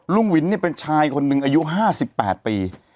ลุงวินเป็นชายคนหนึ่งอายุ๕๘ปี